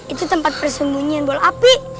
itu tempat persembunyian bola api